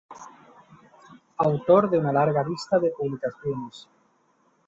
Autor de una larga lista de publicaciones.